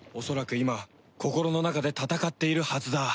恐らく今心の中で闘っているはずだ。